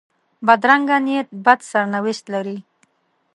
بدرنګه نیت بد سرنوشت لري